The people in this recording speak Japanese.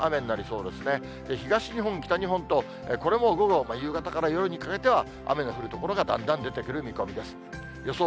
東日本、北日本と、これも午後、夕方から夜にかけては雨の降る所がだんだん出てくる見込みです。